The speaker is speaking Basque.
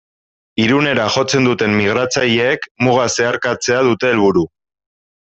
Irunera jotzen duten migratzaileek muga zeharkatzea dute helburu.